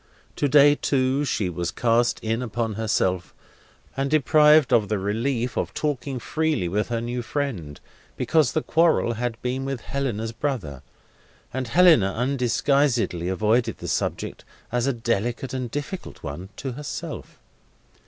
To day, too, she was cast in upon herself, and deprived of the relief of talking freely with her new friend, because the quarrel had been with Helena's brother, and Helena undisguisedly avoided the subject as a delicate and difficult one to herself.